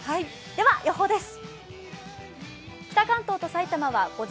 では、予報です。